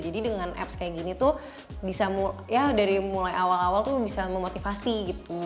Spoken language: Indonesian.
jadi dengan apps kayak gini tuh bisa mulai ya dari mulai awal awal tuh bisa memotivasi gitu